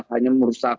hanya merusak apa